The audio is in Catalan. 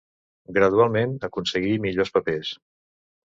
Gradualment, aconseguí millors papers.